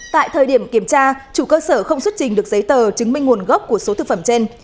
tại thời điểm kiểm tra chủ cơ sở không xuất trình được giấy tờ chứng minh nguồn gốc của số thực phẩm trên